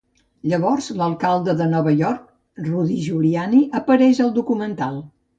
Llavors, l'alcalde de Nova York, Rudy Giuliani, apareix al documental.